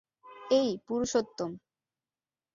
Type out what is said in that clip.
এই, পুরুষোত্তম!